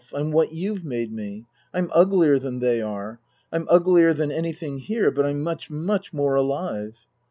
I'm what you've made me. I'm uglier than they are. I'm uglier than anything here, but I'm much, much more alive."